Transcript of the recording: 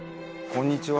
こんにちは。